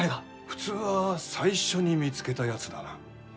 普通は最初に見つけたやつだな。